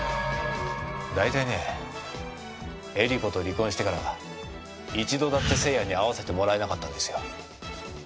大体ね英理子と離婚してから一度だって星也に会わせてもらえなかったんですよ。